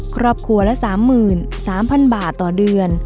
ครอบครัวละ๓๓๐๐๐บาทต่อเดือน